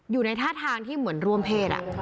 อยู่ในท่าทางที่เหมือนร่วมเพศ